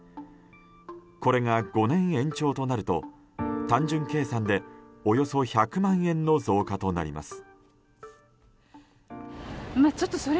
これが５年延長になると単純計算でおよそ１００万円の増加となります。